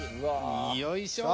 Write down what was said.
よいしょ。